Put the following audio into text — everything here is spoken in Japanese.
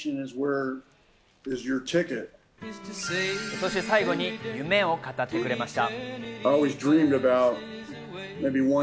そして最後に夢を語ってくれました。